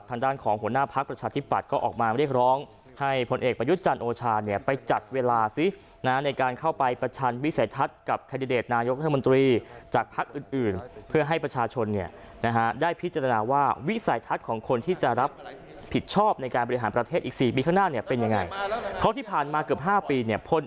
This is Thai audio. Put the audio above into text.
ทางด้านของหัวหน้าพลักษณ์ประชาธิบัตรก็ออกมาเรียกร้องให้ผลเอกประยุทธ์จันทร์โอชาญเนี่ยไปจัดเวลาซินะในการเข้าไปประชาญวิสัยทัศน์กับแคดเดดนายกเธอมนตรีจากพลักษณ์อื่นเพื่อให้ประชาชนเนี่ยนะฮะได้พิจารณาว่าวิสัยทัศน์ของคนที่จะรับผิดชอบในการบริหารประเทศอีก๔ปี